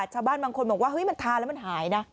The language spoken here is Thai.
ชาวบ้านบางคนบอกว่าเฮ้ยมันทานแล้วมันหายนะ